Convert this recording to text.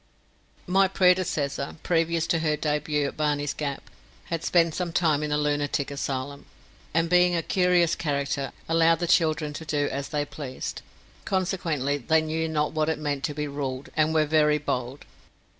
My predecessor, previous to her debut at Barney's Gap, had spent some time in a lunatic asylum, and being a curious character, allowed the children to do as they pleased, consequently they knew not what it meant to be ruled, and were very hold.